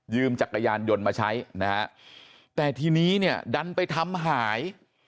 จักรยานยนต์มาใช้นะฮะแต่ทีนี้เนี่ยดันไปทำหาย